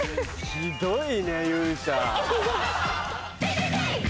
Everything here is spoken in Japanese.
ひどいね勇者。